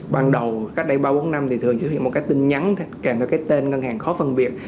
ban đầu cách đây ba bốn năm thì thường chỉ có một cái tin nhắn kèm cho cái tên ngân hàng khó phân biệt